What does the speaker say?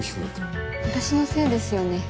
私のせいですよね。